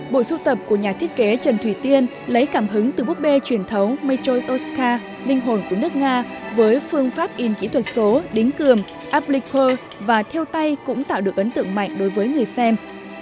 bộ sưu tập của nhà thiết kế trần thủy tiên lấy cảm hứng từ búp bê truyền thống metros oscar linh hồn của nước nga với phương pháp in kỹ thuật số đính cường uplicer và theo tay cũng tạo được ấn tượng mạnh đối với người xem